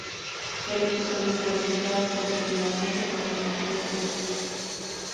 El episodio fue revisado positivamente por la mayoría de los críticos.